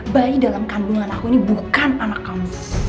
bayi dalam kandungan aku ini bukan anak kamu